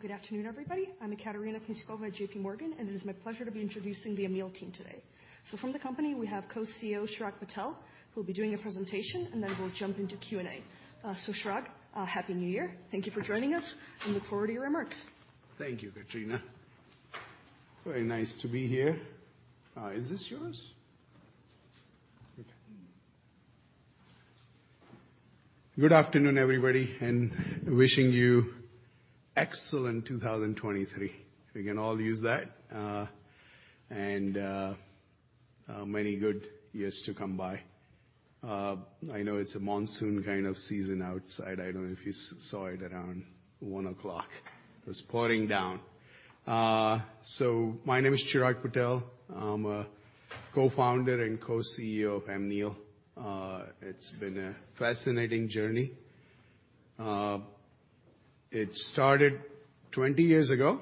Good afternoon, everybody. I'm Katerina Peshkova at JPMorgan, and it is my pleasure to be introducing the Amneal team today. From the company, we have Co-CEO Chirag Patel, who'll be doing a presentation, and then we'll jump into Q&A. Chirag, Happy New Year. Thank you for joining us, and look forward to your remarks. Thank you, Katerina. Very nice to be here. Is this yours? Okay. Good afternoon, everybody, wishing you excellent 2023. We can all use that. Many good years to come by. I know it's a monsoon kind of season outside. I don't know if you saw it around one clock. It was pouring down. My name is Chirag Patel. I'm a co-founder and co-CEO of Amneal. It's been a fascinating journey. It started 20 years ago,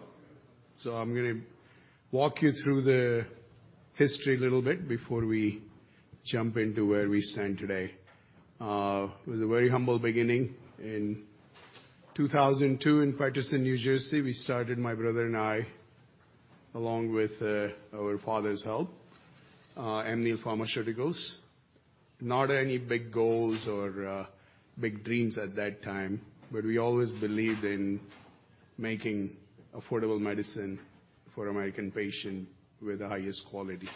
I'm gonna walk you through the history a little bit before we jump into where we stand today. It was a very humble beginning. In 2002, in Paterson, New Jersey, we started, my brother and I, along with our father's help, Amneal Pharmaceuticals. Not any big goals or big dreams at that time, we always believed in making affordable medicine for American patient with the highest quality,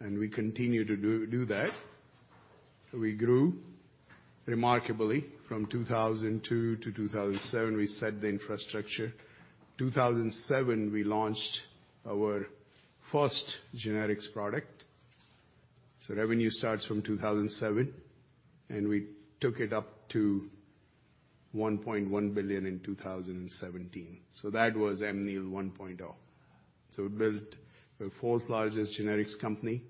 we continue to do that. We grew remarkably from 2002 to 2007. We set the infrastructure. 2007, we launched our first generics product. Revenue starts from 2007, we took it up to $1.1 billion in 2017. That was Amneal 1.0. We built the fourth-largest generics company,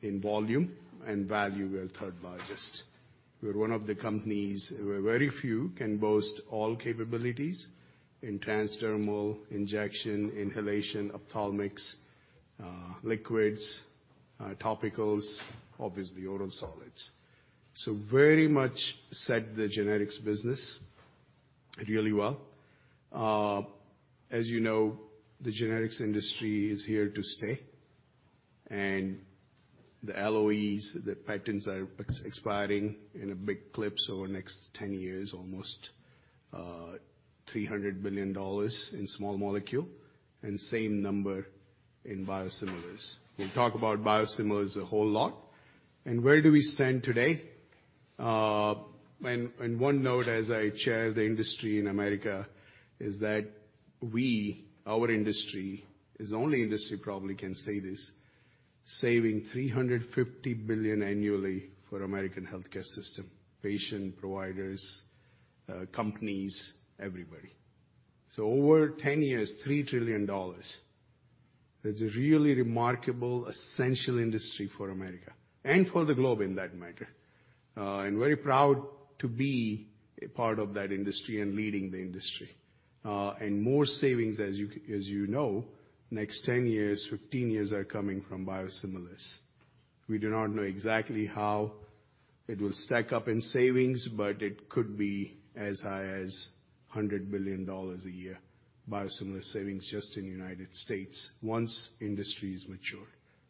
in volume, value, we are third largest. We're one of the companies, very few can boast all capabilities in transdermal, injection, inhalation, ophthalmics, liquids, topicals, obviously oral solids. Very much set the generics business really well. As you know, the generics industry is here to stay, the LOEs, the patents are expiring in a big clip. Over the next 10 years, almost $300 billion in small molecule and same number in biosimilars. We'll talk about biosimilars a whole lot. Where do we stand today? One note as I chair the industry in America is that we, our industry is the only industry probably can say this, saving $350 billion annually for American healthcare system, patient providers, companies, everybody. Over 10 years, $3 trillion. It's a really remarkable, essential industry for America and for the globe in that matter. Very proud to be a part of that industry and leading the industry. More savings, as you know, next 10 years, 15 years are coming from biosimilars. We do not know exactly how it will stack up in savings, but it could be as high as $100 billion a year, biosimilar savings just in United States once industry is mature.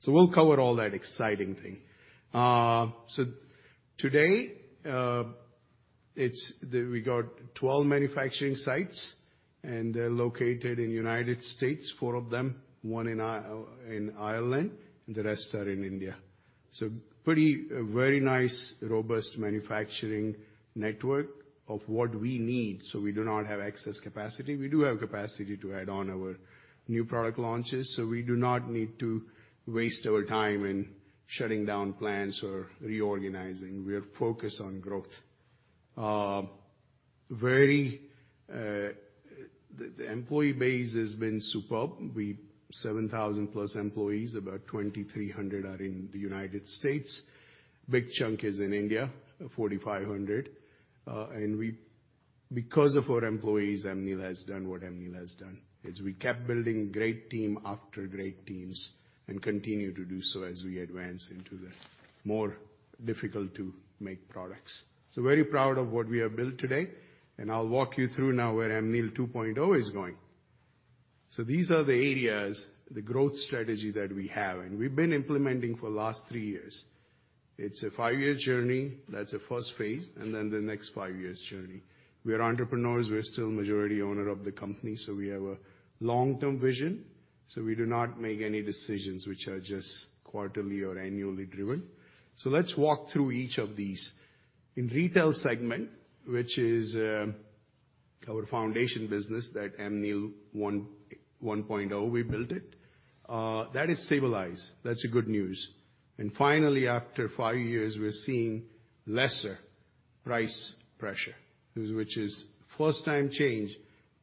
We'll cover all that exciting thing. Today, we got 12 manufacturing sites, and they're located in United States, four of them, one in Ireland, and the rest are in India. Pretty, a very nice, robust manufacturing network of what we need. We do not have excess capacity. We do have capacity to add on our new product launches, so we do not need to waste our time in shutting down plants or reorganizing. We are focused on growth. Very, the employee base has been superb. 7,000+ employees, about 2,300 are in the United States. Big chunk is in India, 4,500. Because of our employees, Amneal has done what Amneal has done, is we kept building great team after great teams and continue to do so as we advance into the more difficult to make products. Very proud of what we have built today, and I'll walk you through now where Amneal 2.0 is going. These are the areas, the growth strategy that we have, and we've been implementing for the last three years. It's a five-year journey, that's the first phase, the next five years journey. We are entrepreneurs. We're still majority owner of the company, we have a long-term vision, we do not make any decisions which are just quarterly or annually driven. Let's walk through each of these. In retail segment, which is our foundation business that Amneal 1.0 rebuilt it, that is stabilized. That's the good news. Finally, after five years, we're seeing lesser price pressure, which is first time change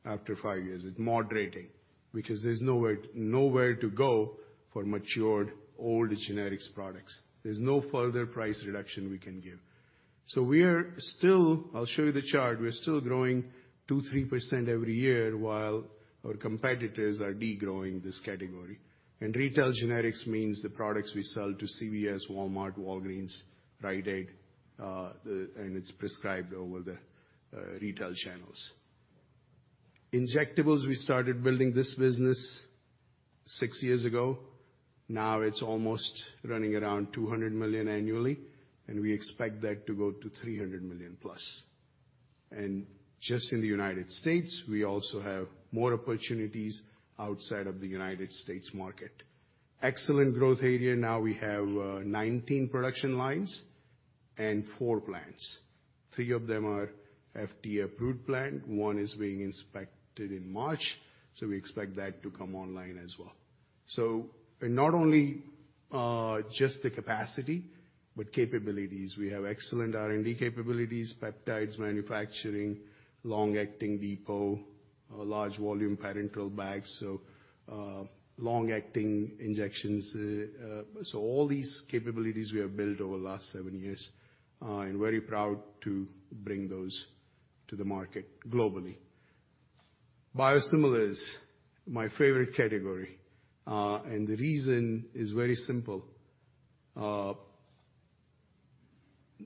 after five years. It's moderating because there's nowhere to go for matured old generics products. There's no further price reduction we can give. We're still growing 2%-3% every year while our competitors are degrowing this category. Retail generics means the products we sell to CVS, Walmart, Walgreens, Rite Aid, and it's prescribed over the retail channels. Injectables, we started building this business six years ago. Now it's almost running around $200 million annually, and we expect that to go to $300 million-plus. Just in the United States, we also have more opportunities outside of the United States market. Excellent growth area. Now we have 19 production lines and four plants. Three of them are FDA-approved plant, one is being inspected in March, so we expect that to come online as well. Not only just the capacity, but capabilities. We have excellent R&D capabilities, peptides manufacturing, long-acting depot, large volume parenteral bags, so long-acting injections. All these capabilities we have built over the last seven years, and very proud to bring those to the market globally. Biosimilars, my favorite category. The reason is very simple.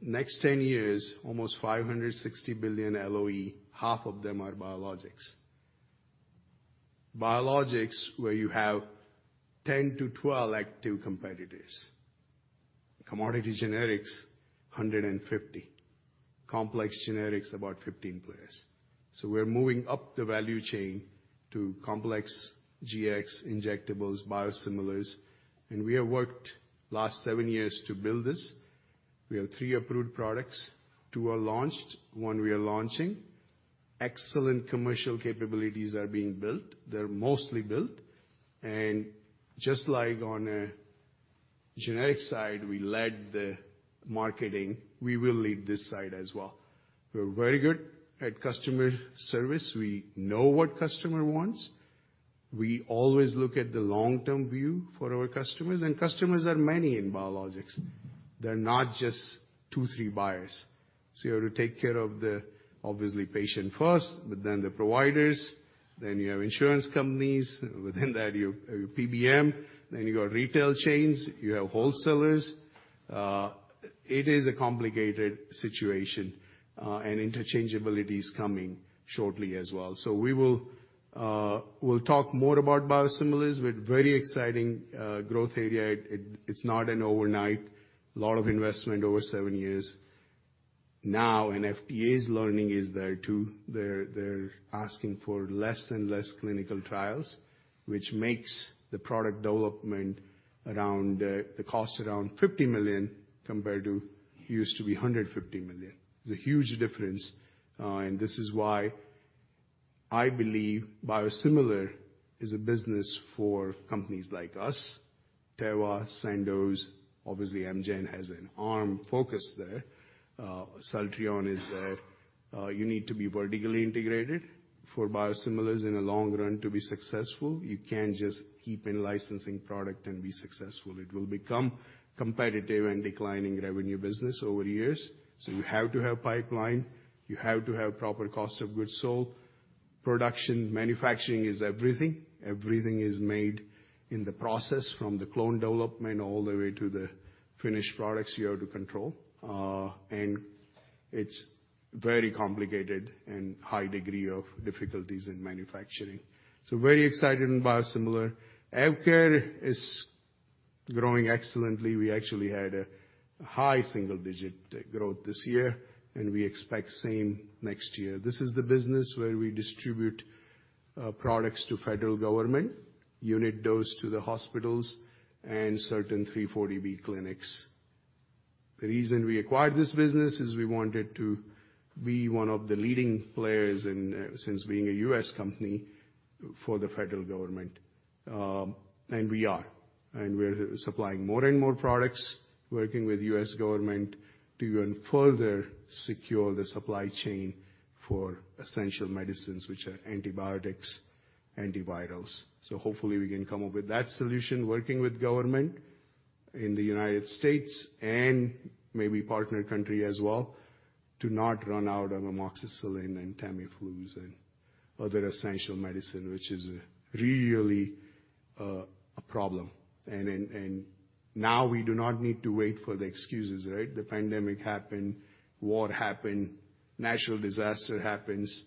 Next 10 years, almost $560 billion LOE, half of them are biologics. Biologics, where you have 10-12 active competitors. Commodity generics, 150. Complex generics, about 15 players. We're moving up the value chain to complex GX, injectables, biosimilars, and we have worked last seven years to build this. We have three approved products. Two are launched, one we are launching. Excellent commercial capabilities are being built. They're mostly built. Just like on a generic side, we led the marketing, we will lead this side as well. We're very good at customer service. We know what customer wants. We always look at the long-term view for our customers, and customers are many in biologics. They're not just two, three buyers. You have to take care of the, obviously, patient first, but then the providers, then you have insurance companies, within that you have PBM, then you got retail chains, you have wholesalers. It is a complicated situation, and interchangeability is coming shortly as well. We will, we'll talk more about biosimilars, but very exciting growth area. It's not an overnight. Lot of investment over seven years. Now, FDA's learning is there too. They're asking for less and less clinical trials, which makes the product development around the cost around $50 million compared to used to be $150 million. It's a huge difference, this is why I believe biosimilar is a business for companies like us, Teva, Sandoz, obviously Amgen has an arm focus there. Celltrion is there. You need to be vertically integrated for biosimilars in the long run to be successful. You can't just keep in-licensing product and be successful. It will become competitive and declining revenue business over years. You have to have pipeline, you have to have proper cost of goods sold. Production, manufacturing is everything. Everything is made in the process, from the clone development all the way to the finished products you have to control. And it's very complicated and high degree of difficulties in manufacturing. Very excited in biosimilar. AvKARE is growing excellently. We actually had a high single-digit growth this year, and we expect same next year. This is the business where we distribute products to federal government, unit dose to the hospitals and certain 340B clinics. The reason we acquired this business is we wanted to be one of the leading players in, since being a U.S. company, for the federal government. And we are. We're supplying more and more products, working with U.S. government to even further secure the supply chain for essential medicines, which are antibiotics, antivirals. Hopefully, we can come up with that solution, working with government in the United States and maybe partner country as well, to not run out on amoxicillin and Tamiflu and other essential medicine, which is really a problem. Now we do not need to wait for the excuses, right? The pandemic happened, war happened, natural disaster happens.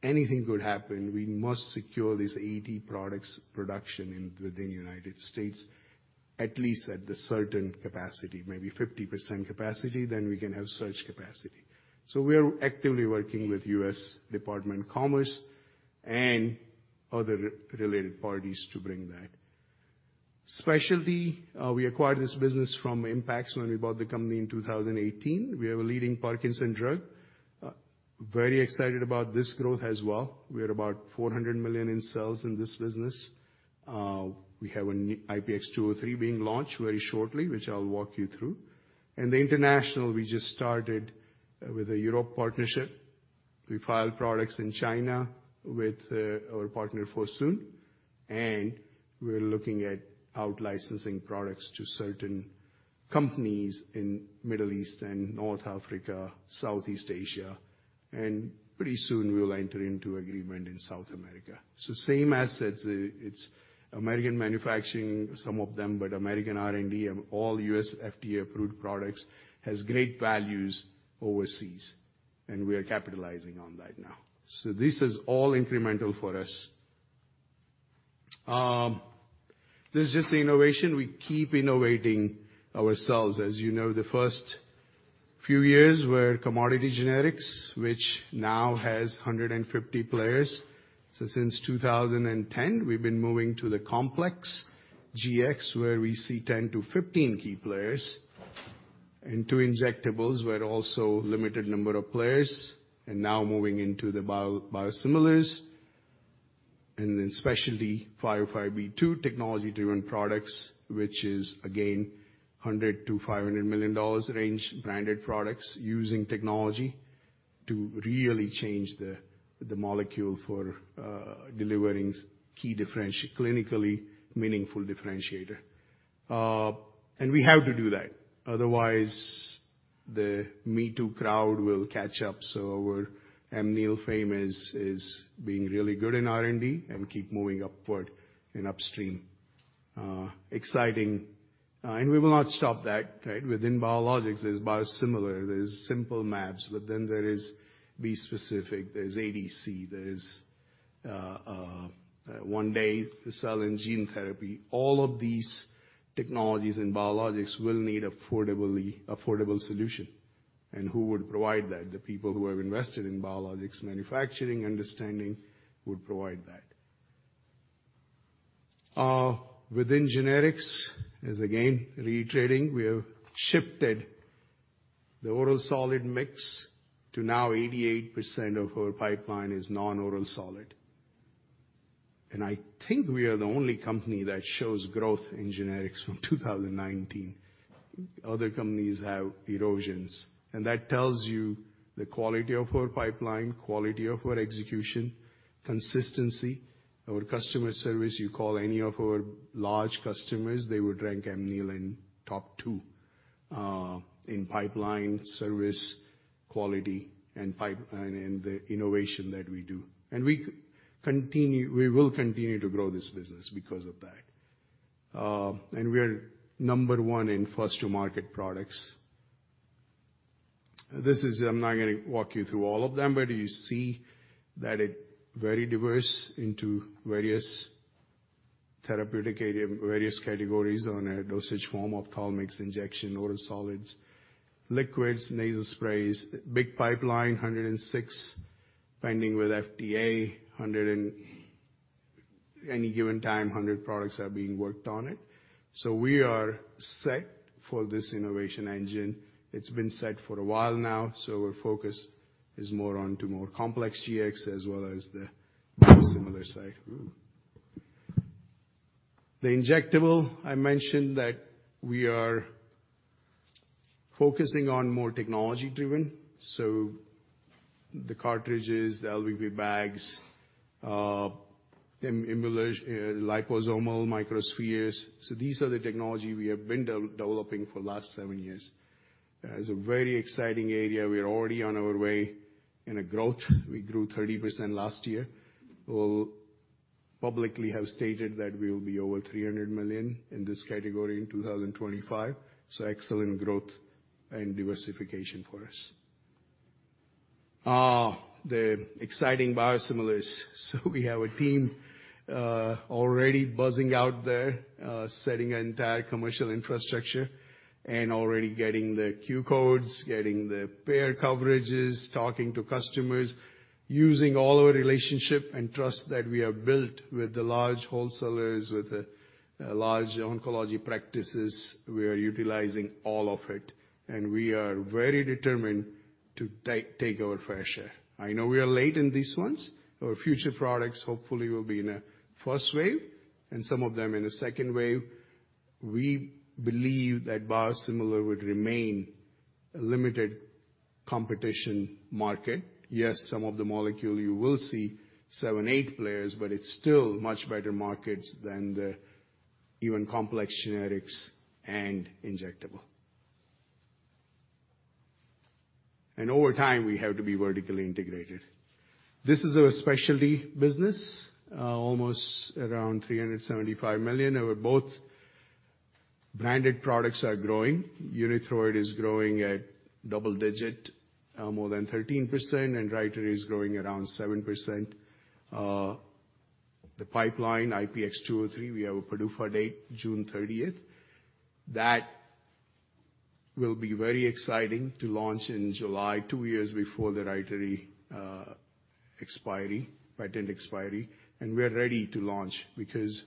Anything could happen. We must secure these 80 products' production in, within United States, at least at the certain capacity, maybe 50% capacity, then we can have surge capacity. We're actively working with U.S. Department of Commerce and other related parties to bring that. Specialty, we acquired this business from Impax when we bought the company in 2018. We have a leading Parkinson's drug. Very excited about this growth as well. We're about $400 million in sales in this business. We have a new IPX203 being launched very shortly, which I'll walk you through. In the international, we just started with a Europe partnership. We filed products in China with our partner, Fosun. We're looking at out-licensing products to certain companies in Middle East and North Africa, Southeast Asia. Pretty soon, we'll enter into agreement in South America. Same assets, it's American manufacturing, some of them, but American R&D and all U.S. FDA-approved products, has great values overseas, and we are capitalizing on that now. This is all incremental for us. This is just the innovation. We keep innovating ourselves. As you know, the first few years were commodity generics, which now has 150 players. Since 2010, we've been moving to the complex GX, where we see 10-15 key players. Into injectables, we're also limited number of players, now moving into biosimilars, then specialty 505 technology-driven products, which is again $100 million-$500 million range branded products using technology to really change the molecule for delivering clinically meaningful differentiator. We have to do that, otherwise the me-too crowd will catch up. Our Amneal fame is being really good in R&D, and we keep moving upward in upstream. Exciting. We will not stop that, right? Within biologics, there's biosimilar, there's simple MAbs, there is bispecific, there's ADC, there's one day cell and gene therapy. All of these technologies and biologics will need affordable solution. Who would provide that? The people who have invested in biologics manufacturing, understanding would provide that. Within generics, as again, reiterating, we have shifted the oral solid mix to now 88% of our pipeline is non-oral solid. I think we are the only company that shows growth in generics from 2019. Other companies have erosions. That tells you the quality of our pipeline, quality of our execution, consistency. Our customer service, you call any of our large customers, they would rank Amneal in top two in pipeline service quality and in the innovation that we do. We will continue to grow this business because of that. We are number one in first to market products. I'm not gonna walk you through all of them, but you see that it very diverse into various therapeutic area, various categories on a dosage form, ophthalmics, injection, oral solids, liquids, nasal sprays. Big pipeline, 106 pending with FDA. Any given time, 100 products are being worked on it. We are set for this innovation engine. It's been set for a while now, our focus is more onto more complex GX as well as the similar side. The injectable, I mentioned that we are focusing on more technology-driven. The cartridges, the LVB bags, liposomal microspheres. These are the technology we have been developing for last seven years. It's a very exciting area. We are already on our way in a growth. We grew 30% last year. We'll publicly have stated that we will be over $300 million in this category in 2025. Excellent growth and diversification for us. The exciting biosimilars. We have a team already buzzing out there, setting an entire commercial infrastructure and already getting the Q codes, getting the payer coverages, talking to customers, using all our relationship and trust that we have built with the large wholesalers, with the large oncology practices. We are utilizing all of it, and we are very determined to take our fair share. I know we are late in these ones. Our future products hopefully will be in a first wave and some of them in a second wave. We believe that biosimilar would remain a limited competition market. Yes, some of the molecule you will see seven, eight players, but it's still much better markets than the even complex generics and injectable. Over time, we have to be vertically integrated. This is our specialty business, almost around $375 million, and we're both... Branded products are growing. UNITHROID is growing at double digit, more than 13%, RYTARY is growing around 7%. The pipeline, IPX203, we have a PDUFA date June 30th. That will be very exciting to launch in July, two years before the RYTARY expiry, patent expiry. We are ready to launch because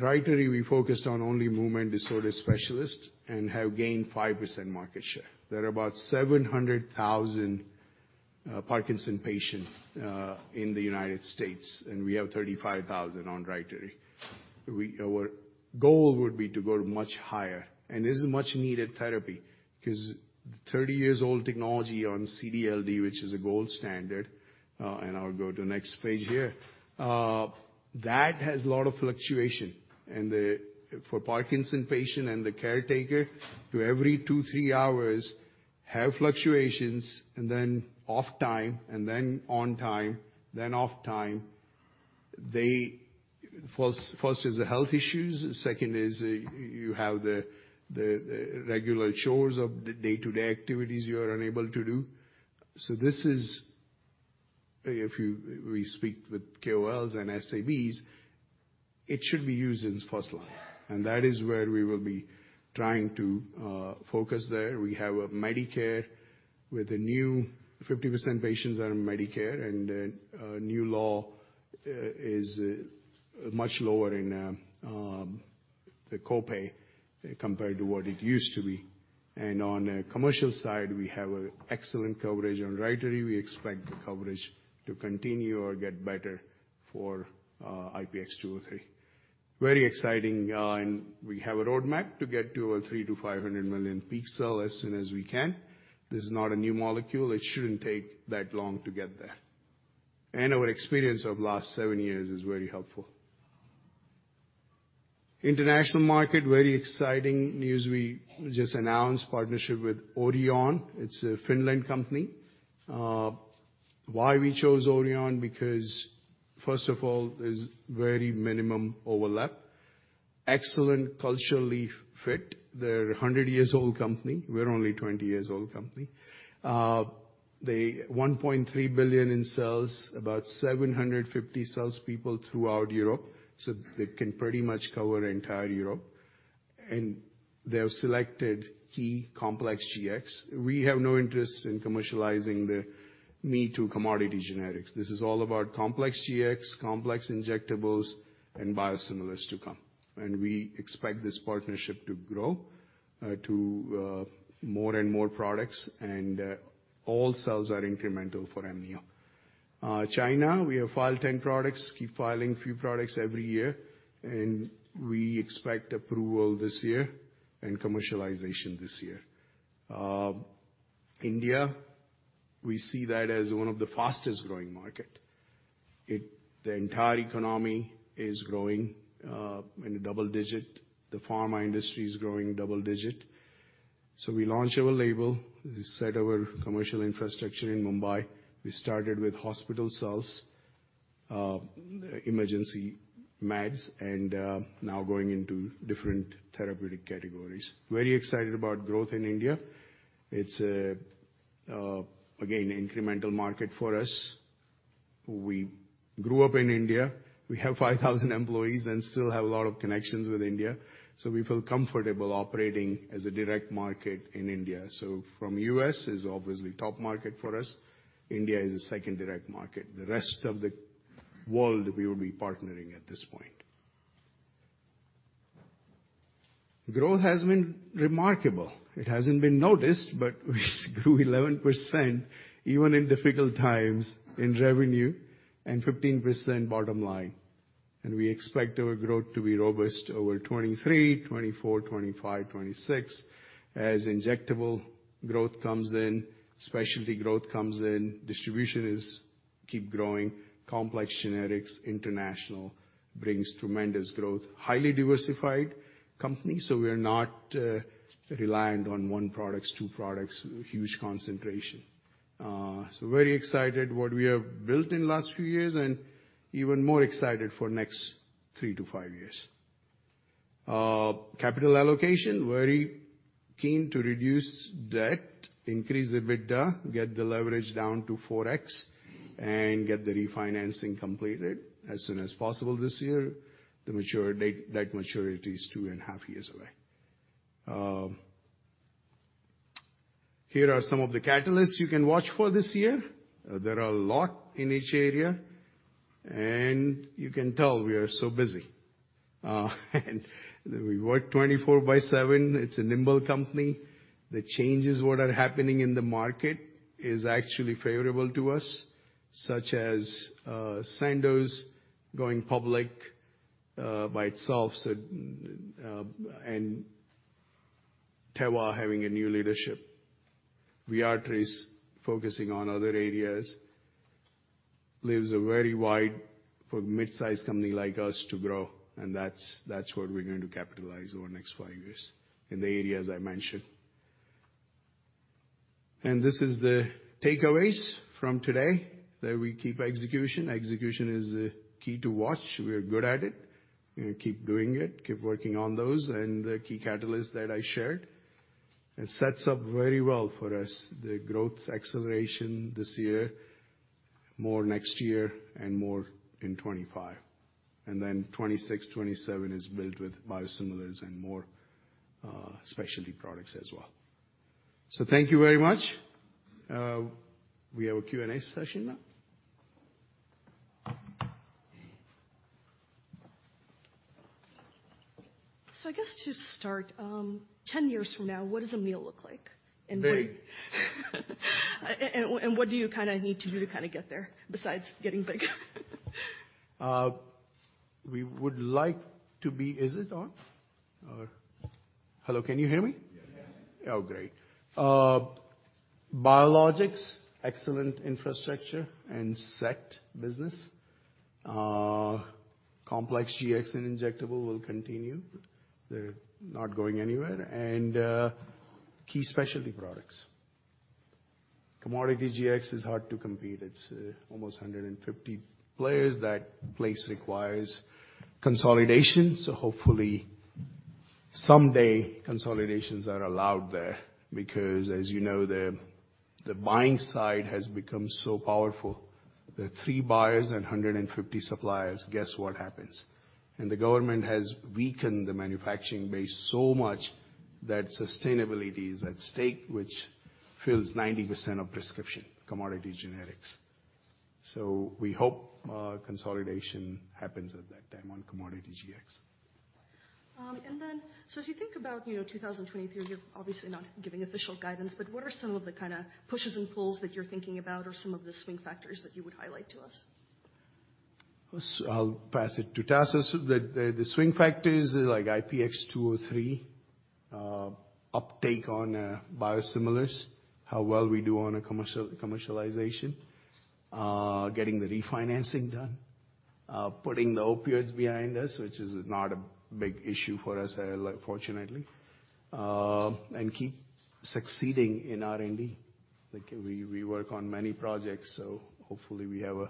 RYTARY, we focused on only movement disorder specialists and have gained 5% market share. There are about 700,000 Parkinson's patient in the United States, and we have 35,000 on RYTARY. Our goal would be to go much higher. This is much needed therapy because 30 years old technology on CDLD, which is a gold standard, and I'll go to the next page here. That has a lot of fluctuation. For Parkinson's patient and the caretaker to every two, three hours have fluctuations and then off time and then on time, then off time, First is the health issues. Second is you have the regular chores of the day-to-day activities you are unable to do. This is. If we speak with KOLs and SABs, it should be used in first line, and that is where we will be trying to focus there. We have Medicare with the new 50% patients are on Medicare, and then a new law is much lower in the co-pay compared to what it used to be. On the commercial side, we have excellent coverage. On RYTARY, we expect the coverage to continue or get better for IPX203. Very exciting, and we have a roadmap to get to a $300 million-$500 million peak sell as soon as we can. This is not a new molecule. It shouldn't take that long to get there. Our experience of last seven years is very helpful. International market, very exciting news. We just announced partnership with Orion. It's a Finland company. Why we chose Orion? Because first of all, there's very minimum overlap. Excellent culturally fit. They're a 100-year-old company. We're only a 20-year-old company. They $1.3 billion in sales, about 750 sales people throughout Europe, so they can pretty much cover entire Europe. They've selected key complex GX. We have no interest in commercializing the me-too commodity generics. This is all about complex GX, complex injectables and biosimilars to come. We expect this partnership to grow to more and more products and all sales are incremental for Amneal. China, we have filed 10 products, keep filing a few products every year, and we expect approval this year and commercialization this year. India, we see that as one of the fastest-growing market. The entire economy is growing in the double digit. The pharma industry is growing double digit. We launch our label. We set our commercial infrastructure in Mumbai. We started with hospital sales, emergency meds, and now going into different therapeutic categories. Very excited about growth in India. It's a again, incremental market for us. We grew up in India. We have 5,000 employees and still have a lot of connections with India, so we feel comfortable operating as a direct market in India. From U.S. is obviously top market for us. India is the second direct market. The rest of the world we will be partnering at this point. Growth has been remarkable. It hasn't been noticed, but we grew 11% even in difficult times in revenue and 15% bottom line, and we expect our growth to be robust over 2023, 2024, 2025, 2026 as injectable growth comes in, specialty growth comes in, distribution is keep growing, complex generics, international brings tremendous growth. Highly diversified company, we're not reliant on one products, two products, huge concentration. Very excited what we have built in last few years and even more excited for next three to five years. Capital allocation, very keen to reduce debt, increase EBITDA, get the leverage down to 4x, and get the refinancing completed as soon as possible this year. The debt maturity is two and a half years away. Here are some of the catalysts you can watch for this year. There are a lot in each area. You can tell we are so busy. We work 24 by 7. It's a nimble company. The changes what are happening in the market is actually favorable to us, such as Sandoz going public by itself. Teva having a new leadership. Viatris focusing on other areas, leaves a very wide for mid-size company like us to grow. That's what we're going to capitalize over the next five years in the areas I mentioned. This is the takeaways from today. That we keep execution. Execution is the key to watch. We're good at it. We're gonna keep doing it, keep working on those and the key catalysts that I shared. It sets up very well for us, the growth acceleration this year, more next year and more in 25. Then 26, 27 is built with biosimilars and more specialty products as well. Thank you very much. We have a Q&A session now. I guess to start, 10 years from now, what does Amneal look like? Big. What do you kinda need to do to kinda get there besides getting big? Hello, can you hear me? Yes. Oh, great. biologics, excellent infrastructure and set business. complex generics and injectable will continue. They're not going anywhere. key specialty products. Commodity GX is hard to compete. It's almost 150 players. That place requires consolidation, hopefully someday consolidations are allowed there, because as you know, the buying side has become so powerful. There are three buyers and 150 suppliers, guess what happens? The government has weakened the manufacturing base so much that sustainability is at stake, which fills 90% of prescription commodity generics. We hope consolidation happens at that time on Commodity GX. As you think about, you know, 2023, you're obviously not giving official guidance, but what are some of the kind of pushes and pulls that you're thinking about or some of the swing factors that you would highlight to us? I'll pass it to Tas. The swing factors like IPX203, uptake on biosimilars, how well we do on a commercialization, getting the refinancing done, putting the opioids behind us, which is not a big issue for us, fortunately. And keep succeeding in R&D. Like we work on many projects, so hopefully we have a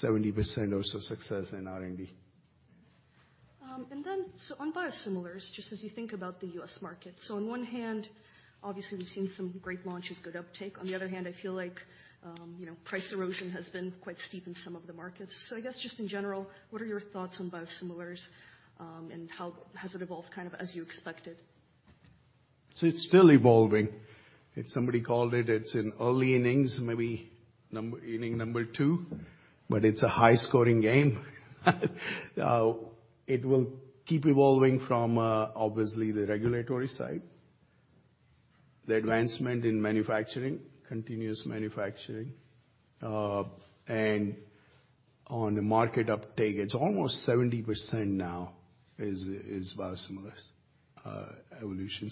70% or so success in R&D. On biosimilars, just as you think about the U.S. market. On one hand, obviously we've seen some great launches, good uptake. I feel like, you know, price erosion has been quite steep in some of the markets. I guess just in general, what are your thoughts on biosimilars, and how has it evolved kind of as you expected? It's still evolving. If somebody called it's in early innings, maybe inning number two, but it's a high-scoring game. It will keep evolving from obviously the regulatory side, the advancement in manufacturing, continuous manufacturing. On the market uptake, it's almost 70% now is biosimilars evolution.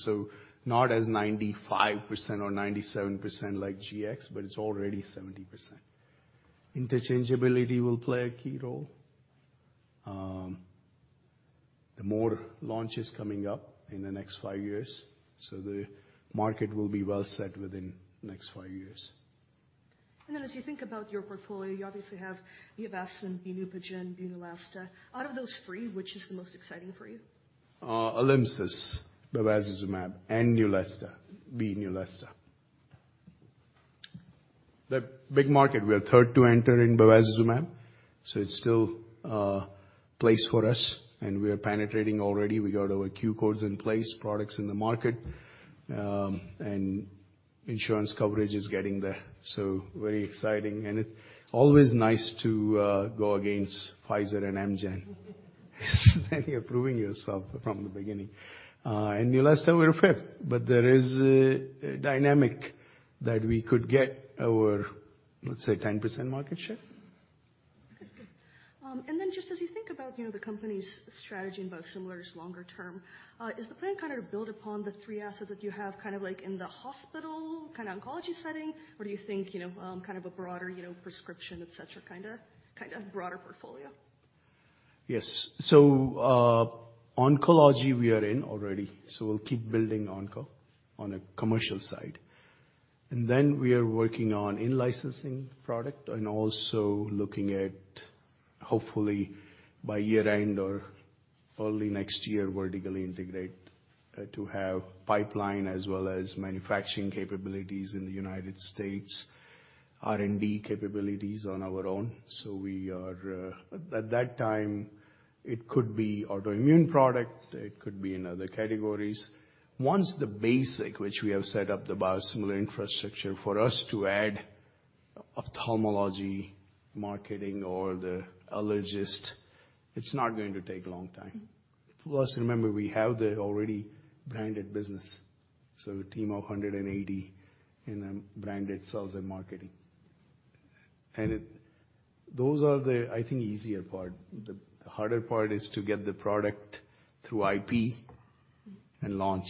Not as 95% or 97% like GX, but it's already 70%. Interchangeability will play a key role. The more launches coming up in the next five years, so the market will be well set within next five years. As you think about your portfolio, you obviously have ALYMSYS and FYLNETRA, Bunelesta. Out of those three, which is the most exciting for you? ALYMSYS bevacizumab and Neulasta, B Neulasta. The big market, we are third to enter in bevacizumab, so it's still place for us, and we are penetrating already. We got our Q codes in place, products in the market, and insurance coverage is getting there. Very exciting. It's always nice to go against Pfizer and Amgen. You're proving yourself from the beginning. Neulasta we're fifth, but there is a dynamic that we could get our, let's say, 10% market share. Just as you think about, you know, the company's strategy in biosimilars longer term, is the plan kind of build upon the three assets that you have, kind of like in the hospital kind of oncology setting? Or do you think, you know, kind of a broader, you know, prescription, et cetera, kinda broader portfolio? Yes. Oncology we are in already, so we'll keep building onco on a commercial side. We are working on in-licensing product and also looking at, hopefully by year-end or early next year, vertically integrate to have pipeline as well as manufacturing capabilities in the United States, R&D capabilities on our own. We are. At that time, it could be autoimmune product, it could be in other categories. Once the basic, which we have set up the biosimilar infrastructure for us to add ophthalmology, marketing or the allergist, it's not going to take a long time. Plus, remember, we have the already branded business, so a team of 180 in the branded sales and marketing. Those are the, I think, easier part. The harder part is to get the product through IP and launch.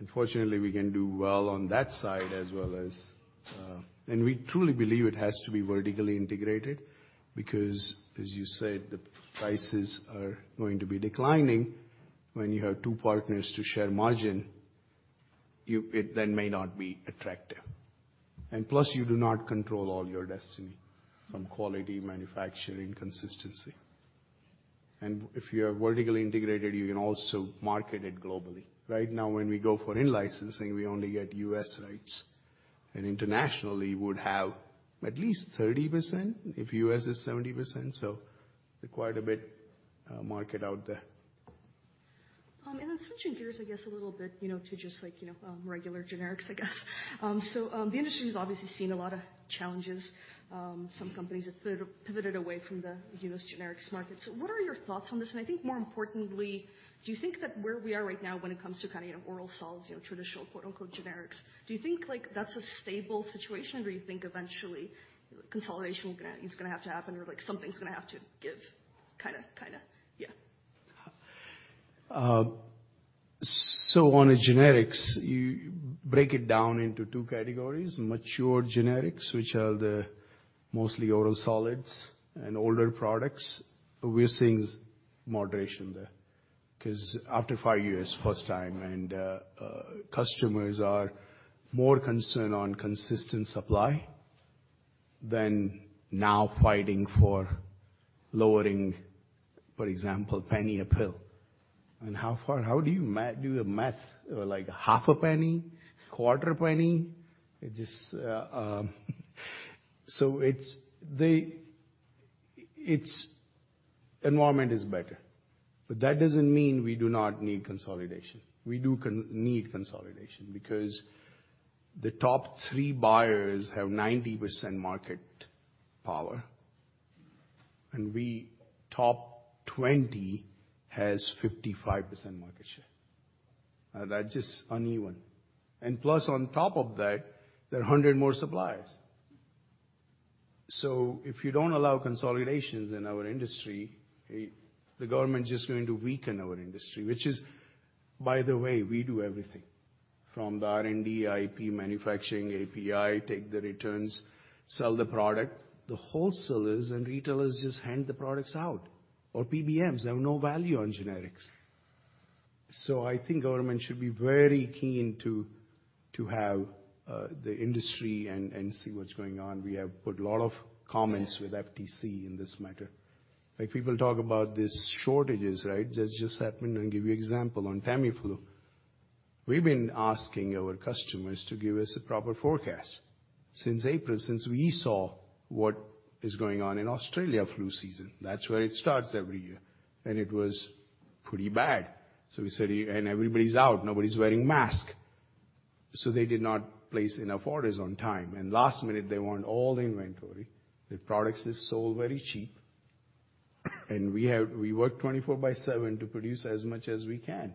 Unfortunately, we can do well on that side as well as. We truly believe it has to be vertically integrated because as you said, the prices are going to be declining when you have two partners to share margin, it then may not be attractive. Plus, you do not control all your destiny from quality, manufacturing, consistency. If you are vertically integrated, you can also market it globally. Right now, when we go for in-licensing, we only get U.S. rights. Internationally would have at least 30% if U.S. is 70%. Quite a bit, market out there. Switching gears, I guess, a little bit, you know, to just like, you know, regular generics, I guess. The industry has obviously seen a lot of challenges. Some companies have pivoted away from the U.S. generics market. What are your thoughts on this? I think more importantly, do you think that where we are right now when it comes to kind of, you know, oral solids, you know, traditional quote-unquote, "generics," do you think like, that's a stable situation or do you think eventually consolidation is gonna have to happen or like something's gonna have to give? Kinda, kinda? Yeah. On a generics, you break it down into two categories. Mature generics, which are the mostly oral solids and older products. We're seeing moderation there, because after five years, first time, customers are more concerned on consistent supply. Then now fighting for lowering, for example, penny a pill. How do you do the math? Like half a penny? Quarter penny? Environment is better, that doesn't mean we do not need consolidation. We do need consolidation because the top three buyers have 90% market power, we top 20 has 55% market share. That's just uneven. Plus on top of that, there are 100 more suppliers. If you don't allow consolidations in our industry, the government is just going to weaken our industry, which is by the way, we do everything from the R&D, IP, manufacturing, API, take the returns, sell the product. The wholesalers and retailers just hand the products out or PBMs, they have no value on generics. I think government should be very keen to have the industry and see what's going on. We have put a lot of comments with FTC in this matter. Like people talk about these shortages, right? Just happen and give you example on Tamiflu. We've been asking our customers to give us a proper forecast since April, since we saw what is going on in Australia flu season. That's where it starts every year, and it was pretty bad. We said, "And everybody's out, nobody's wearing mask." They did not place enough orders on time, and last minute, they want all the inventory. The products is sold very cheap, and we work 24 by 7 to produce as much as we can.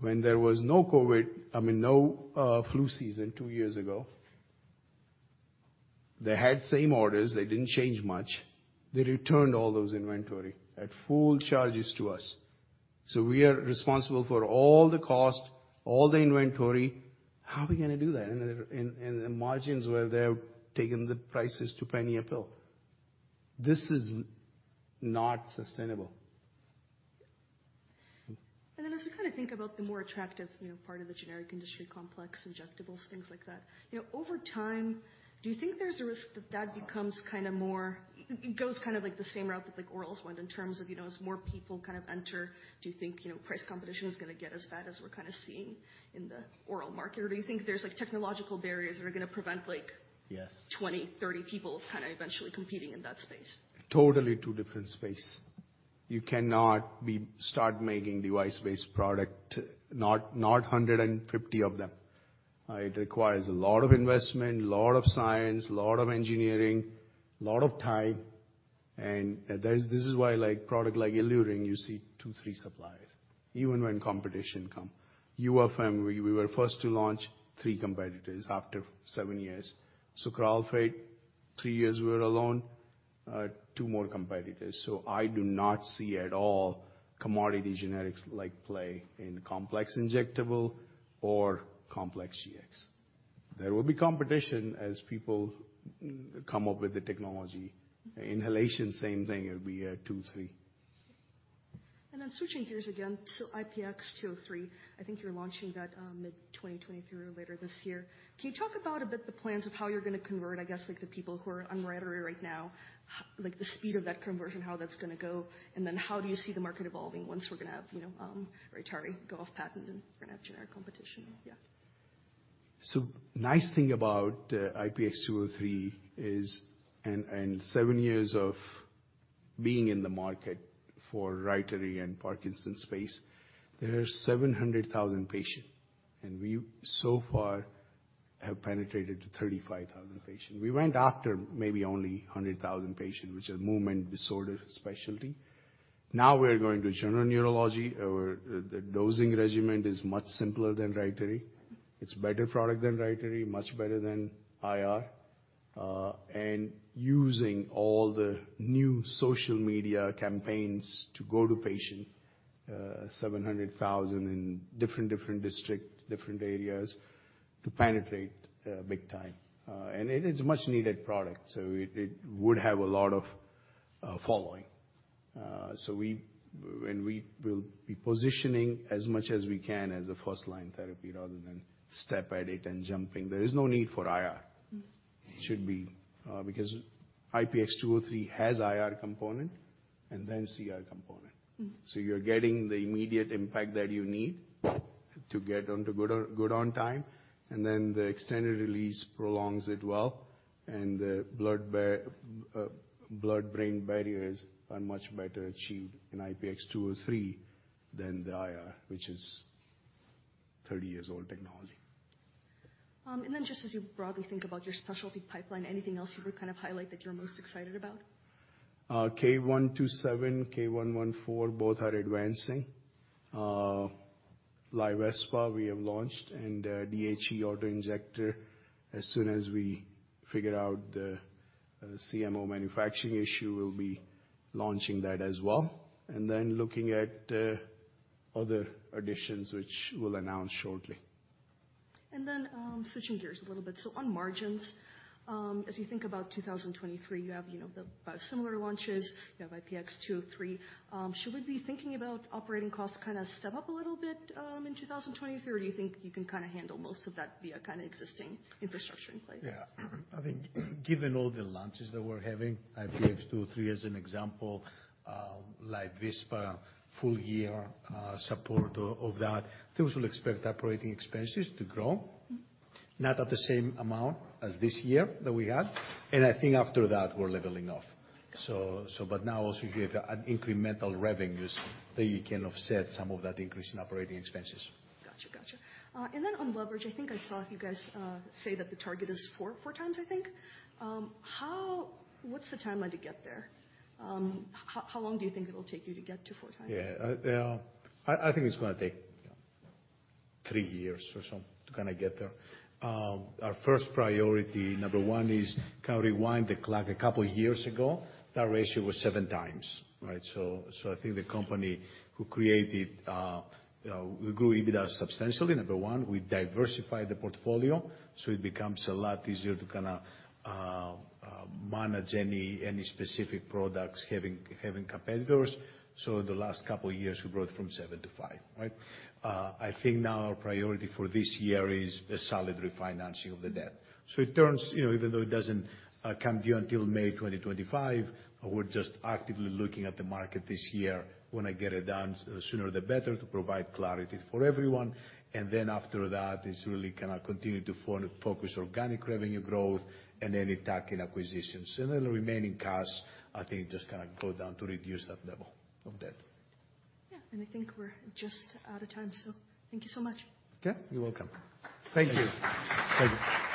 When there was no COVID, I mean, no flu season two years ago, they had same orders, they didn't change much. They returned all those inventory at full charges to us. We are responsible for all the cost, all the inventory. How are we gonna do that? The margins where they're taking the prices to penny a pill. This is not sustainable. As you kinda think about the more attractive, you know, part of the generic industry complex, injectables, things like that, you know, over time, do you think there's a risk that that Goes kind of like the same route that like orals went in terms of, you know, as more people kind of enter, do you think, you know, price competition is gonna get as bad as we're kinda seeing in the oral market? Or do you think there's like technological barriers that are gonna prevent? Yes. 20, 30 people kind of eventually competing in that space? Totally two different space. You cannot start making device-based product, not 150 of them. It requires a lot of investment, a lot of science, a lot of engineering, lot of time. This is why like product like Iluirin, you see two, three suppliers, even when competition come. Yuvafem, we were first to launch three competitors after seven years. Sucralfate, three years we were alone, two more competitors. I do not see at all commodity generics like play in complex injectable or complex generics. There will be competition as people come up with the technology. Inhalation, same thing, it'll be two, three. Switching gears again. IPX203, I think you're launching that, mid-2023 or later this year. Can you talk about a bit the plans of how you're gonna convert, I guess, like the people who are on RYTARY right now, like the speed of that conversion, how that's gonna go? How do you see the market evolving once we're gonna have, you know, RYTARY go off patent and we're gonna have generic competition? Yeah. Nice thing about IPX203 is. seven years of being in the market for RYTARY and Parkinson's space, there are 700,000 patient, and we so far have penetrated to 35,000 patient. We went after maybe only 100,000 patient, which is movement disorder specialty. Now we're going to general neurology. Our the dosing regimen is much simpler than RYTARY. It's better product than RYTARY, much better than IR. Using all the new social media campaigns to go to patient, 700,000 in different district, different areas, to penetrate big time. It is a much needed product, so it would have a lot of following. When we will be positioning as much as we can as a first line therapy rather than step at it and jumping. There is no need for I.R. It should be, because IPX203 has IR component and then CR component. You're getting the immediate impact that you need to get onto good on, good on time, and then the extended release prolongs it well, and the blood-brain barriers are much better achieved in IPX203 than the IR, which is 30 years old technology. Just as you broadly think about your specialty pipeline, anything else you would kind of highlight that you're most excited about? K-127, K-114, both are advancing. LYVISPAH, we have launched, and DHE auto-injector, as soon as we figure out the CMO manufacturing issue, we'll be launching that as well. Looking at other additions, which we'll announce shortly. Switching gears a little bit. On margins, as you think about 2023, you have, you know, the biosimilar launches, you have IPX203. Should we be thinking about operating costs kinda step up a little bit in 2023? Or do you think you can kinda handle most of that via kinda existing infrastructure in place? Yeah. I think given all the launches that we're having, IPX203 as an example, LYVISPAH, full year, support of that, those will expect operating expenses to grow. Not at the same amount as this year that we had. I think after that, we're leveling off. Now also you have an incremental revenues that you can offset some of that increase in operating expenses. Gotcha. Gotcha. On leverage, I think I saw you guys say that the target is four times. What's the timeline to get there? How long do you think it'll take you to get to four times? Yeah. I think it's gonna take three years or so to kinda get there. Our first priority, number one is kinda rewind the clock a couple years ago, that ratio was seven times, right? I think the company who created, we grew EBITDA substantially, number one. We diversified the portfolio, it becomes a lot easier to kinda manage any specific products having competitors. The last couple years, we grew it from seven to five, right? I think now our priority for this year is a solid refinancing of the debt. It turns, you know, even though it doesn't come due until May 2025, we're just actively looking at the market this year. Wanna get it done, sooner the better, to provide clarity for everyone. After that, it's really kinda continue to focus organic revenue growth and any tack in acquisitions. The remaining cash, I think, just kinda go down to reduce that level of debt. Yeah. I think we're just out of time, so thank you so much. Yeah, you're welcome. Thank you. Thank you.